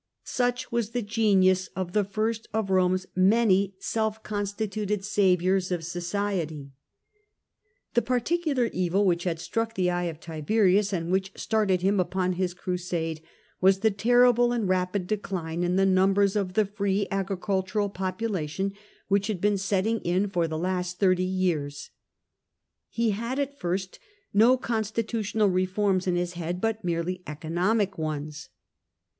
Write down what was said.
Such was the genius of the first of Eome's many self constituted saviours of society^ The particular evil which had struck the eye of Tiberius, and which started him upon his crusade, was the terrible and rapid decline in the numbers of the free agricultural population which had been setting in for the last thirty years. He had at first no consti tutional reforms in his head, but mere]y"economic ones.